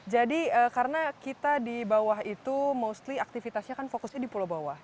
jadi karena kita di bawah itu mostly aktivitasnya kan fokusnya di pulau bawah